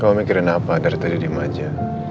kau mikirin apa dari tadi di maja